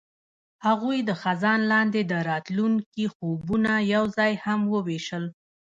هغوی د خزان لاندې د راتلونکي خوبونه یوځای هم وویشل.